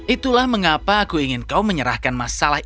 itulah mengapa aku ingin kau menyerahkan masalah ini